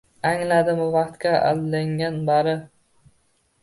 Angladim, bu vaqtga aldangan bari